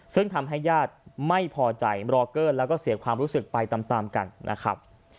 ซึ่งทำให้ญาติไม่พอใจรอเกอร์แล้วก็เสียความรู้สึกไปตามกันนะครับ